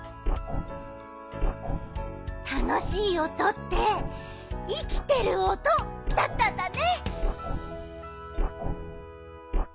たのしいおとっていきてるおとだったんだね。